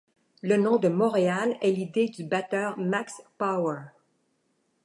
Le nom de Montréal est l'idée du batteur Max Power.